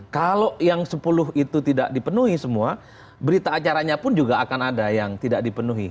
kalau yang sepuluh itu tidak dipenuhi semua berita acaranya pun juga akan ada yang tidak dipenuhi